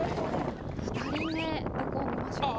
２人目どこを見ましょうか？